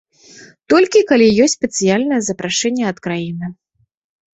Толькі калі ёсць спецыяльнае запрашэнне ад краіны.